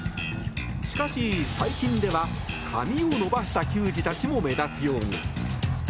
しかし最近では、髪を伸ばした球児たちも目立つように。